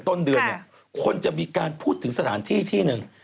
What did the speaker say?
ต้นเดือนเนี่ยคนจะมีการพูดถึงสถานที่ที่หนึ่ง